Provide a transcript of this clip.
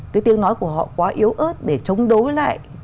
cái tiếng nói của họ quá yếu ớt để chống đối lại